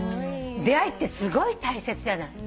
出会いってすごい大切じゃない。